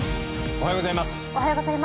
おはようございます。